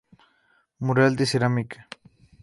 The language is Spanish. Mural de Cerámica.